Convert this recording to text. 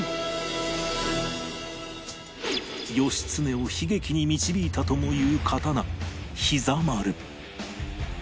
義経を悲劇に導いたともいう刀膝丸